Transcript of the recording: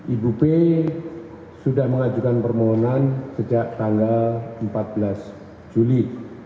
ibu p sudah mengajukan permohonan sejak tanggal empat belas juli